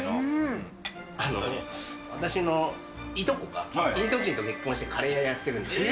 私のいとこが、インド人と結婚してカレー屋やってるんです。